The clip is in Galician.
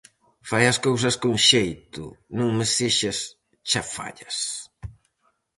Fai as cousas con xeito, non me sexas chafallas.